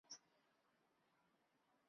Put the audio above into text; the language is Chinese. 巴舒亚伊出生于比利时首都布鲁塞尔。